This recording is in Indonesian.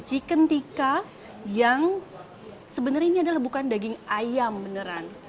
chicken tika yang sebenarnya ini adalah bukan daging ayam beneran